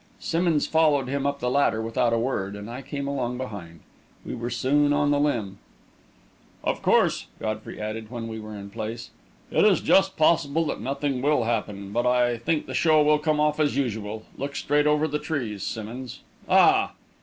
Simmonds followed him up the ladder without a word, and I came along behind. We were soon on the limb. "Of course," Godfrey added, when we were in place, "it is just possible that nothing will happen. But I think the show will come off as usual. Look straight out over the trees, Simmonds ah!"